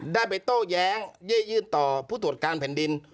ได้ไปโต้แย้งเย่ยื่นต่อผู้ตรวจการแผ่นดิน